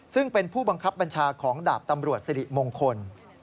ซึ่งเป็นผู้บังคับบัญชาของดาบตำรวจสิริมงคล